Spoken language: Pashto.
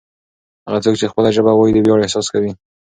هغه څوک چې خپله ژبه وايي د ویاړ احساس کوي.